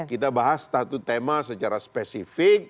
kita bahas satu tema secara spesifik